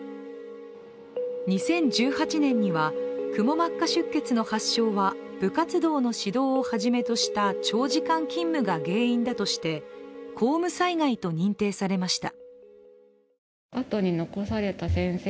２０１８年には、くも膜下出血の発症は部活動の指導をはじめとした長時間勤務が原因だとして公務災害と認定されました。